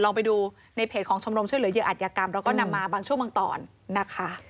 ไปดูในเพจของชมรมช่วยเหลือเหยื่ออัตยกรรมเราก็นำมาบางช่วงบางตอนนะคะ